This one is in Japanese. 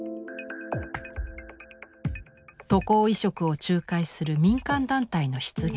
渡航移植を仲介する民間団体の出現。